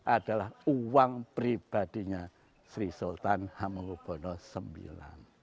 adalah uang pribadinya sri sultan hamengubono ix